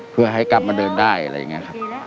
เพื่อให้กลับมาเดินได้อะไรอย่างนี้ครับ